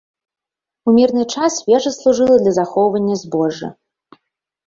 У мірны час вежа служыла для захоўвання збожжа.